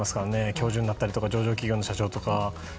教授になったりと上場企業の社長とか。